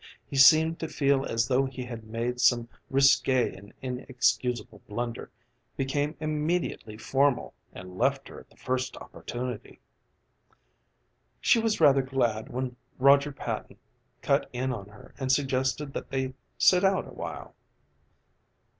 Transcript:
He seemed to feel as though he had made some risqué and inexcusable blunder, became immediately formal and left her at the first opportunity. She was rather glad when Roger Patton cut in on her and suggested that they sit out a while.